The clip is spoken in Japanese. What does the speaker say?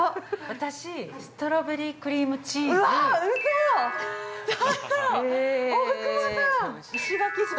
◆私、ストロベリークリームチーズ◆うわ、うそ！